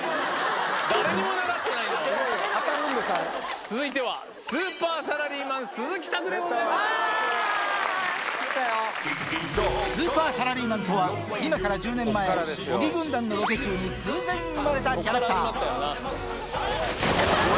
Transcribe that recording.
続いては、スーパーサラリーマン、スーパーサラリーマンとは、今から１０年前、小木軍団のロケ中に偶然生まれたキャラクター。